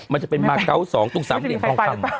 มันจะเป็นมาร์คเกาส์๒ตรง๓มีใครฟัง